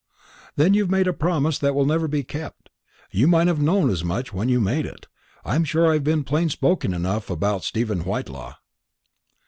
"Then you've made a promise that will never be kept. You might have known as much when you made it. I'm sure I've been plain spoken enough about Stephen Whitelaw."